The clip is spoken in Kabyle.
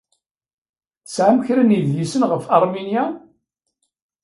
Tesɛam kra n yedlisen ɣef Aṛminya?